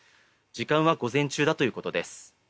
時間は午前中だということです。